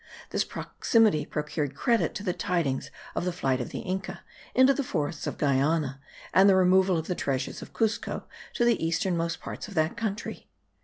This proximity procured credit to the tidings of the flight of the Inca into the forests of Guiana, and the removal of the treasures of Cuzco to the easternmost parts of that country.